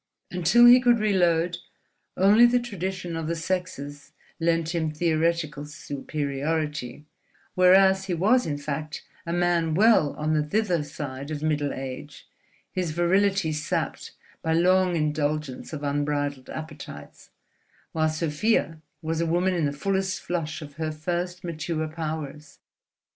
Until he could reload, only the tradition of the sexes lent him theoretical superiority; whereas he was in fact a man well on the thither side of middle age, his virility sapped by long indulgence of unbridled appetites; while Sofia was a woman in the fullest flush of her first mature powers.